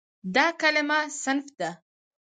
دا کلمه "صنف" ده.